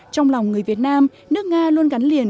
trong lòng người việt nam nước nga luôn gắn liền